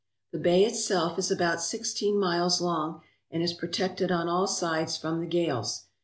The bay itself is about sixteen miles long and is pro tected on all sides from the gales.